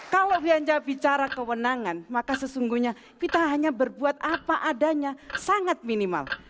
kalau vianja bicara kewenangan maka sesungguhnya kita hanya berbuat apa adanya sangat minimal